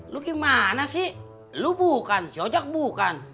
lu gimana sih lu bukan si ojak bukan